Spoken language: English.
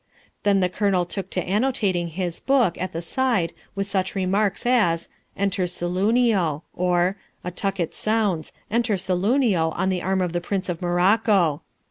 Then the Colonel took to annotating his book at the side with such remarks as, "Enter Saloonio," or "A tucket sounds; enter Saloonio, on the arm of the Prince of Morocco."